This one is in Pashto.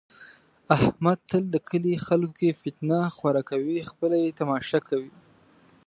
احمد تل د کلي خلکو کې فتنه خوره کوي، خپله یې تماشا کوي.